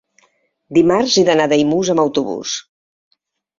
Dimarts he d'anar a Daimús amb autobús.